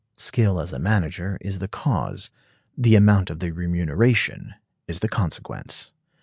Skill as a manager is the cause; the amount of the remuneration is the consequence.